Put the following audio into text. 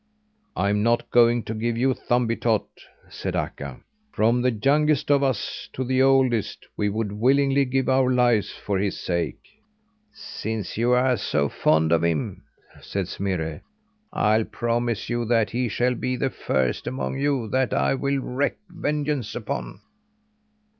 "I'm not going to give you Thumbietot," said Akka. "From the youngest of us to the oldest, we would willingly give our lives for his sake!" "Since you're so fond of him," said Smirre, "I'll promise you that he shall be the first among you that I will wreak vengeance upon."